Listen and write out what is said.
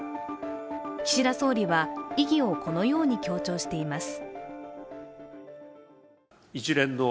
岸田総理は意義をこのように強調しています。